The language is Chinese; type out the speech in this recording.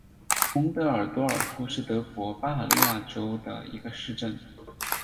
洪德尔多尔夫是德国巴伐利亚州的一个市镇。